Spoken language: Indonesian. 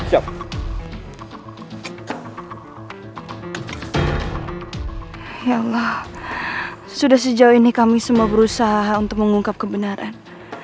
ya enggak sudah sejauh ini kami semua berusaha untuk mengungkap kebenaran